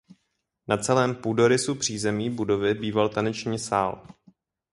Na celém půdorysu přízemí budovy býval taneční sál.